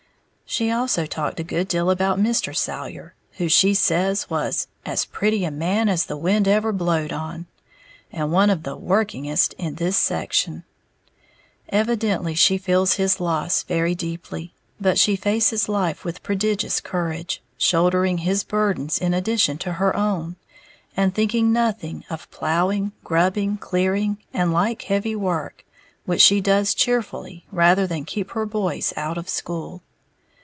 She also talked a good deal about Mr. Salyer, who she says was "as pretty a man as the wind ever blowed on," and one of the "workingest" in this section. Evidently she feels his loss very deeply; but she faces life with prodigious courage, shouldering his burdens in addition to her own, and thinking nothing of plowing, grubbing, clearing, and like heavy work, which she does cheerfully rather than keep her boys out of school.